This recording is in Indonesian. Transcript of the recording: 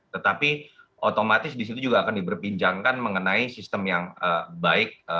tetapi otomatis disitu juga akan diberpinjangkan mengenai sistem yang baik